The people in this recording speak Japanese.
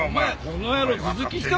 この野郎頭突きしたな。